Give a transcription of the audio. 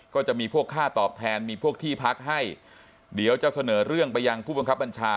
ก็จะมีพวกค่าตอบแทนมีพวกที่พักให้เดี๋ยวจะเสนอเรื่องไปยังผู้บังคับบัญชา